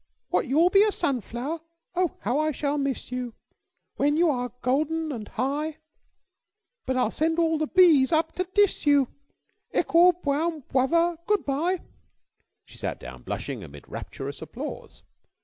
What, you'll be a sunflower? Oh, how I shall miss you When you are golden and high! But I'll send all the bees up to tiss you. Lickle bwown bwother, good bye!" She sat down blushing, amid rapturous applause.